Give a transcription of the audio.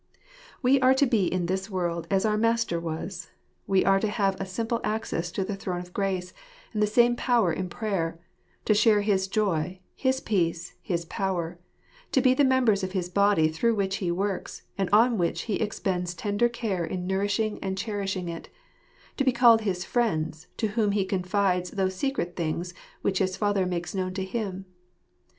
We are to be in this world as our Master was : we are to Safi 'a inicnttan for na. % *75 have a similar access to the throne of grace, and the same power in prayer; to share his joy, his peace, his power; to be the members of the body through which He works, and on which He expends tender care in nourishing and cherishing it ; to be called his friends, to whom He confides those secret things which his Father makes known to Him.